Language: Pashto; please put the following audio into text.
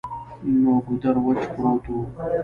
نو ګودر وچ پروت وو ـ